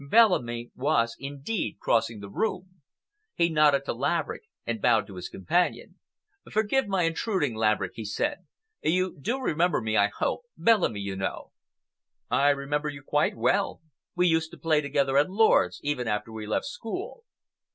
Bellamy was indeed crossing the room. He nodded to Laverick and bowed to his companion. "Forgive my intruding, Laverick," he said. "You do remember me, I hope? Bellamy, you know." "I remember you quite well. We used to play together at Lord's, even after we left school."